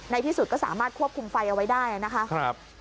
ที่สุดก็สามารถควบคุมไฟเอาไว้ได้นะคะ